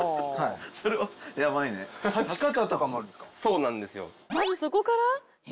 そうなんですよ。